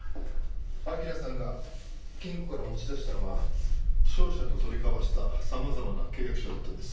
明良さんが金庫から持ち出したのは商社と取り交わした様々な契約書だったんです。